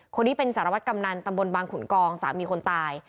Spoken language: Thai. คนนี้เป็นสารวัตรกำนันตำบลบางขุนกองสามีคนตาย